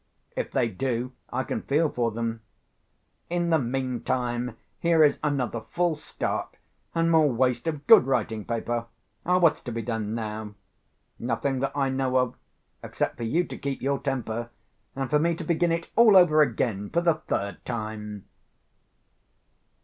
If they do, I can feel for them. In the meantime, here is another false start, and more waste of good writing paper. What's to be done now? Nothing that I know of, except for you to keep your temper, and for me to begin it all over again for the third time.